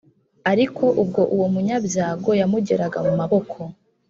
ariko ubwo uwo munyabyago yamugeraga mu maboko